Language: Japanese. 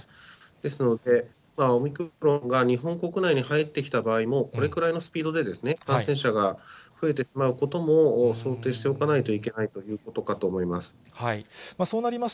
ですので、オミクロン株が日本国内に入ってきた場合も、これくらいのスピードで感染者が増えてしまうことも想定しておかないといけないということかと思います。